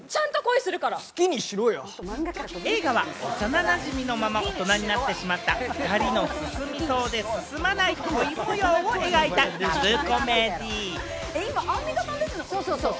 映画はおさななじみのまま、大人になってしまった２人の、進むようで進まない恋模様を描いたラブコメディー。